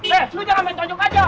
eh lu jangan main cancung aja